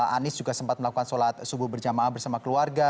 anies juga sempat melakukan sholat subuh berjamaah bersama keluarga